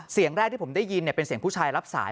เสียงแรกที่ผมได้ยินเป็นเสียงผู้ชายรับสาย